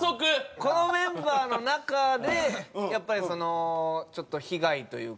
このメンバーの中でやっぱりちょっと被害というか。